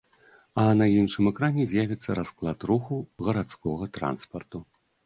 А на іншым экране з'явіцца расклад руху гарадскога транспарту.